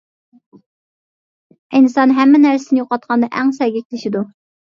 ئىنسان ھەممە نەرسىسىنى يوقاتقاندا ئەڭ سەگەكلىشىدۇ.